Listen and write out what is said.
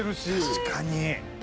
確かに。